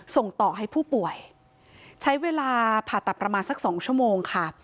ส่งต่อให้ผู้ป่วยใช้เวลาผ่าตัดประมาณสักสองชั่วโมงค่ะ